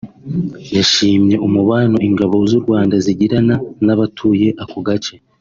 yashimye umubano ingabo z’ u Rwanda zigirana n’ abatuye ako gace